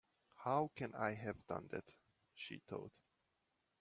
‘How can I have done that?’ she thought.